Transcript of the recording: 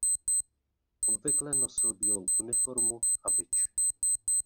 Obvykle nosil bílou uniformu a bič.